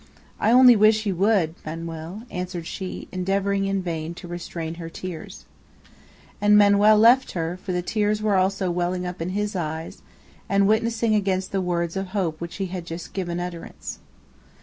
"I only wish he would, Manoel," answered she, endeavoring in vain to restrain her tears. And Manoel left her, for the tears were also welling up in his eyes and witnessing against the words of hope to which he had just given utterance.